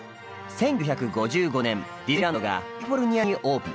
１９５５年ディズニーランドがカリフォルニアにオープン。